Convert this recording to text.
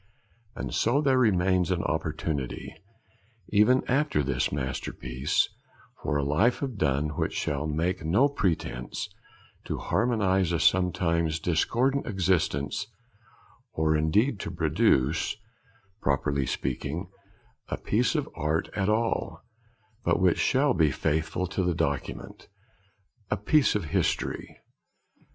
And so there remains an opportunity, even after this masterpiece, for a life of Donne which shall make no pretence to harmonise a sometimes discordant existence, or indeed to produce, properly speaking, a piece of art at all; but which shall be faithful to the document, a piece of history.